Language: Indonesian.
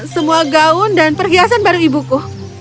semua gaun dan perhiasan baru ibuku